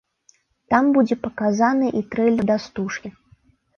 Там будзе паказаны і трэйлер да стужкі.